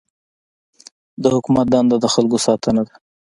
د حکومت دنده د خلکو ساتنه ده.